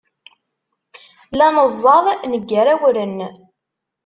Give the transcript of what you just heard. La neẓẓad, neggar awren.